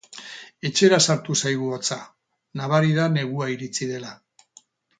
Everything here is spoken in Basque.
Etxera sartu zaigu hotza, nabari da negua iritsi dela.